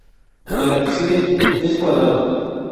El ábside es cuadrado.